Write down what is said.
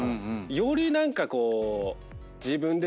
より何かこう。